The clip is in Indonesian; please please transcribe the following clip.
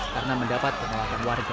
karena mendapat penolakan warga